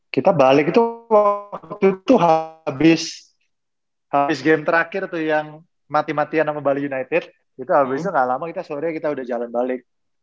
kita balik itu waktu itu habis game terakhir tuh yang mati matian sama bali united itu abis itu nggak lama kita sore kita udah jalan balik